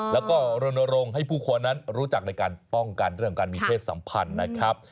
แล้วก็รณรงค์ให้ผู้คนนั้นรู้จักในการป้องกันเรื่องการมีเพศสัมพันธ์นะครับ